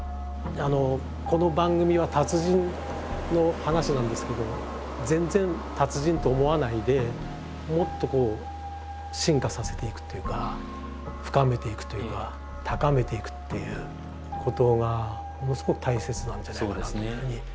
この番組は達人の話なんですけど全然達人と思わないでもっと進化させていくというか深めていくというか高めていくっていうことがものすごく大切なんじゃないかなというふうに。